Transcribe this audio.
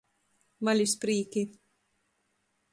Valis prīki.